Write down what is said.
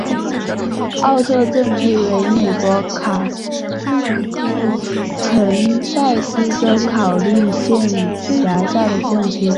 奥特镇区为美国堪萨斯州考利县辖下的镇区。